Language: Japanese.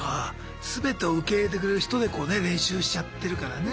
全てを受け入れてくれる人でこうね練習しちゃってるからね。